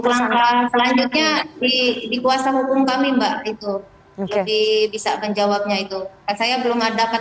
berlangganan selanjutnya dikuasa hukum kami mbak itu lebih bisa menjawabnya itu saya belum ada